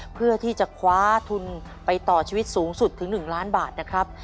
เพื่อที่จะคว้าทุนไปต่อชีวิตสูงสุดถึง๑ล้านบาทนะครับ